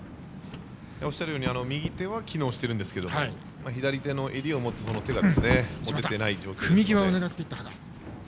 おっしゃるように右手は機能しているんですけど左手の、襟を持つほうの手が持てていない状態ですね。